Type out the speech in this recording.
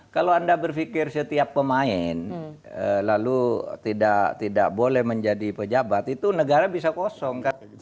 kalau anda berpikir setiap pemain lalu tidak boleh menjadi pejabat itu negara bisa kosong